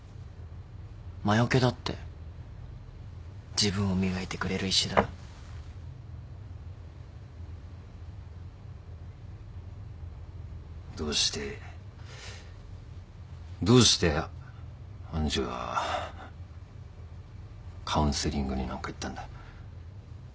自分を磨いてくれる石だよ。どうしてどうして愛珠はカウンセリングになんか行ったんだ？